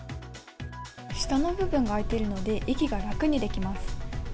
下の部分が開いているので、息が楽にできます。